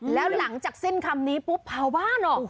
แล้วหลังจากสิ้นคำนี้ปุ๊บเผาบ้านออก